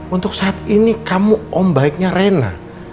untuk saat ini kamu om baiknya rena